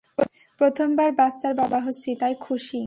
প্রথমবার বাচ্চার বাবা হচ্ছি, তাই খুশী।